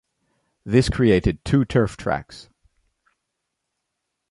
This created two turf tracks.